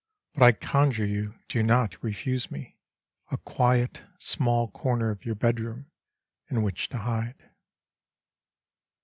But I conjure you do not refuse me A quite small comer of your bedroom in which to hide.